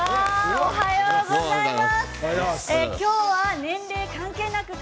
おはようございます。